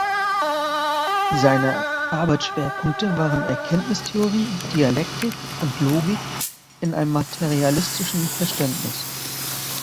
Seine Arbeitsschwerpunkte waren Erkenntnistheorie, Dialektik und Logik in einem materialistischen Verständnis.